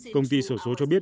công ty sổ số cho biết